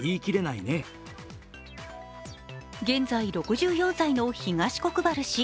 現在６４歳の東国原氏。